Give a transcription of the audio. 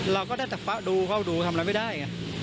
เราก็ได้แต่ป๊ะดูเข้าดูทำอะไรไม่ได้ไง